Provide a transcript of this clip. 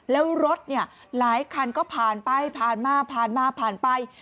แล้วรถหลายคันก็ผ่านไปผ่านมาผ่านมาผ่านไป